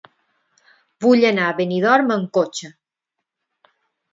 Vull anar a Benidorm amb cotxe.